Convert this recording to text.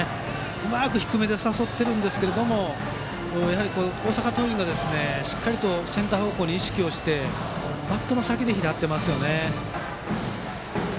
うまく低めで誘っているんですけどやはり大阪桐蔭がしっかりセンター方向に意識してバットの先で拾っていますよね。